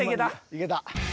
いけた。